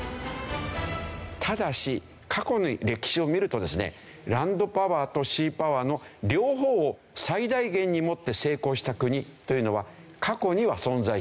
ただし過去に歴史を見るとですねランドパワーとシーパワーの両方を最大限に持って成功した国というのは過去には存在していないんですね。